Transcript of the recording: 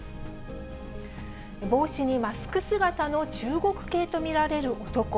帽子にマスク姿の中国系と見られる男。